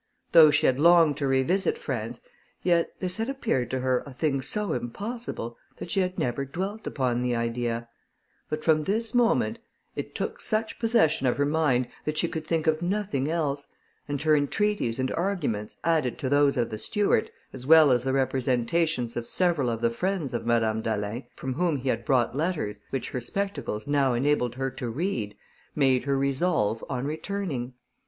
Though she had longed to revisit France, yet this had appeared to her a thing so impossible, that she had never dwelt upon the idea; but from this moment it took such possession of her mind, that she could think of nothing else, and her entreaties and arguments, added to those of the steward, as well as the representations of several of the friends of Madame d'Alin, from whom he had brought letters, which her spectacles now enabled her to read, made her resolve on returning.